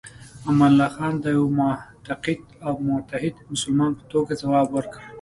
امان الله خان د یوه معتقد او متعهد مسلمان په توګه ځواب ورکړ.